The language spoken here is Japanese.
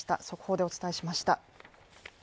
速報でお伝えしました。